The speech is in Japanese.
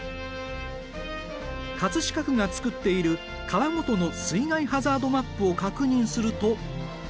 飾区が作っている川ごとの水害ハザードマップを確認すると。